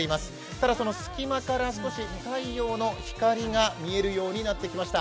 ただ、その隙間から少し太陽の光が見えるようになってきました。